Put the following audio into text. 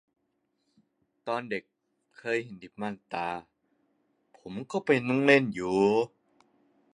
ตอนเด็กเคยเห็นที่บ้านตา ผมก็ไปนั่งเล่น